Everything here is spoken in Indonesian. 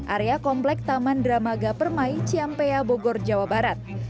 area komplek taman dramaga permai ciampea bogor jawa barat